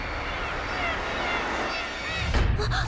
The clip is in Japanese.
あっ。